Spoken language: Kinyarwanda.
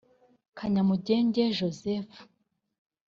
Kanyamugenge Joseph